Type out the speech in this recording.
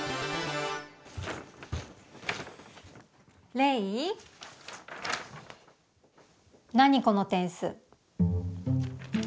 レイ何この点数。